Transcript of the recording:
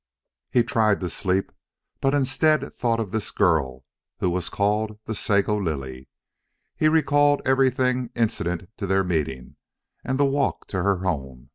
He tried to sleep, but instead thought of this girl who was called the Sago Lily. He recalled everything incident to their meeting and the walk to her home.